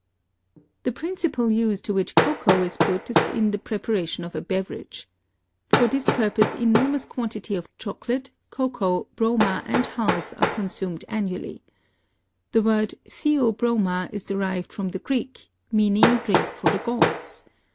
The principal use to which cocoa is put is in the preparation of a beverage. For this purpose enormous quantities of chocolate, cocoa, broma and hulls are consumed annually. The word "Theobroma" is derived from the Greek, meaning drink for the gods.